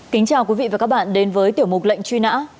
kính chào quý vị và các bạn đến với tiểu mục lệnh truy nã